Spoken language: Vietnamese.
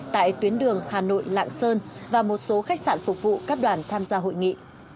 tại tuyến đường hà nội lạng sơn và một số khách sạn phục vụ các đoàn tham gia hội nghị